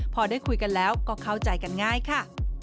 พอได้คุยกันแล้วก็เข้าใจกันง่ายค่ะ